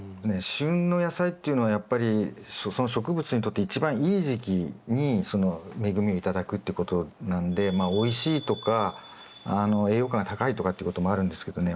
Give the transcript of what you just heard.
旬の野菜っていうのはやっぱりその植物にとって一番いい時期にその恵みを頂くってことなんでまあおいしいとか栄養価が高いとかっていうこともあるんですけどね